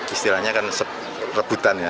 istilahnya kan rebutan ya